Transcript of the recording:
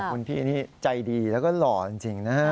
คุณพี่นี่ใจดีแล้วก็หล่อจริงนะฮะ